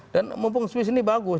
dan mumpung swiss ini bagus